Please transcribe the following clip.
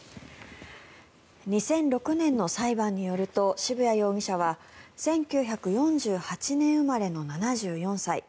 ２００６年の裁判によると渋谷容疑者は１９４８年生まれの７４歳。